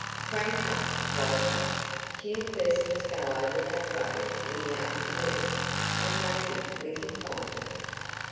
"Crank up, Walter. Few persons go over that road in the afternoon, and maybe we can find it."